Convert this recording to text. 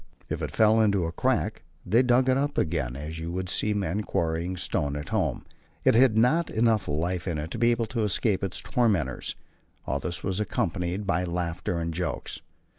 If it fell into a crack, they dug it up again as you would see men quarrying stone at home; it had not enough life in it to be able to escape its tormentors. All this was accompanied by laughter and jokes.